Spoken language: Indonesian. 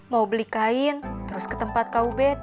mau beli kain terus ke tempat kau bed